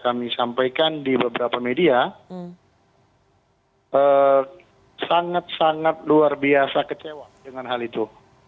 kami sampaikan di beberapa media sangat sangat luar biasa kecewa dengan hal itu